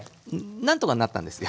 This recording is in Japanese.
何とかなったんですよ。